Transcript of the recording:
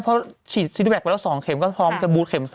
เพราะฉีดซีดีแก๊ไปแล้ว๒เข็มก็พร้อมจะบูธเข็ม๓